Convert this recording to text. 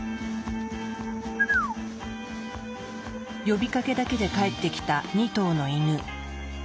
呼びかけだけで帰ってきた２頭のイヌ。